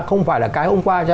không phải là cái hôm qua